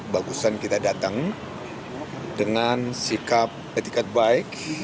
bagusan kita datang dengan sikap etikat baik